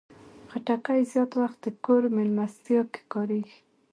خټکی زیات وخت د کور مېلمستیا کې کارېږي.